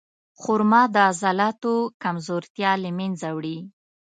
خرما د عضلاتو کمزورتیا له منځه وړي.